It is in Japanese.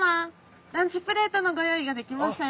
ランチプレートのご用意ができましたよ。